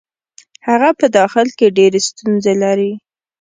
هغه په داخل کې ډېرې ستونزې لري.